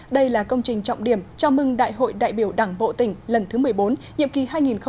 đây là công trình trọng điểm chào mừng đại hội đại biểu đảng bộ tỉnh lần thứ một mươi bốn nhiệm kỳ hai nghìn hai mươi hai nghìn hai mươi năm